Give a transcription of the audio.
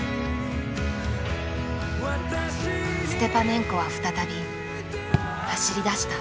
ステパネンコは再び走りだした。